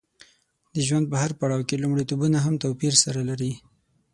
د ژوند په هر پړاو کې لومړیتوبونه هم توپیر سره لري.